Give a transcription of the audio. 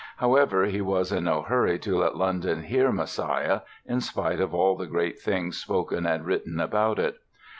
However, he was in no hurry to let London hear "Messiah" in spite of all the great things spoken and written about it.